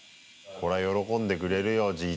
これは喜んでくれるよ